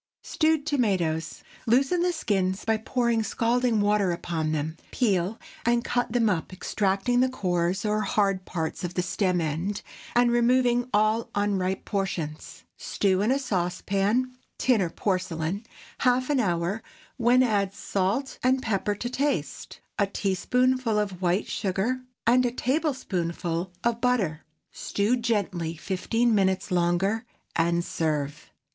STEWED TOMATOES. ✠ Loosen the skins by pouring scalding water upon them; peel and cut them up, extracting the cores or hard parts of the stem end, and removing all unripe portions. Stew in a saucepan (tin or porcelain) half an hour, when add salt and pepper to taste, a teaspoonful of white sugar, and a tablespoonful of butter. Stew gently fifteen minutes longer, and serve.